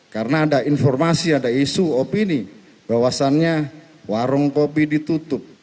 karena ada informasi ada isu opini bahwasannya warung kopi ditutup